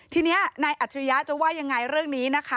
ทีนี้นายอัจฉริยะจะว่ายังไงเรื่องนี้นะคะ